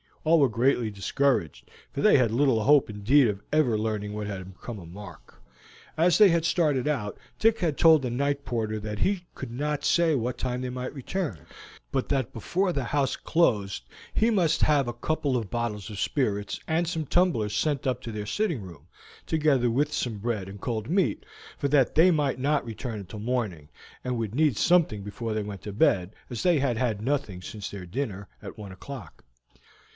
All were greatly discouraged, for they had little hope indeed of ever learning what had become of Mark. As they had started out Dick had told the night porter that he could not say what time they might return, but that before the house closed he must have a couple of bottles of spirits and some tumblers sent up to their sitting room, together with some bread and cold meat, for that they might not return until morning, and would need something before they went to bed, as they had had nothing since their dinner, at one o'clock.